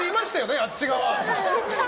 あっち側。